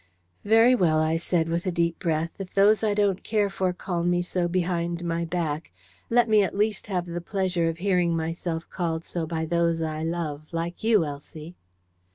"Very well," I said, with a deep breath, "if those I don't care for call me so behind my back, let me at least have the pleasure of hearing myself called so by those I love, like you, Elsie."